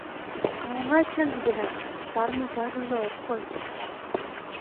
- А оҥай чынже денак: сарын мучашыже ок кой...